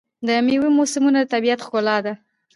د میوو موسمونه د طبیعت ښکلا ده.